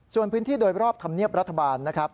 ส่วนพื้นที่โดยรอบธรรมเนียบรัฐบาลนะครับ